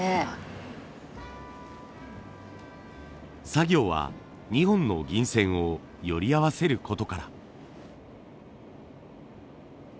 作業は２本の銀線をより合わせることから。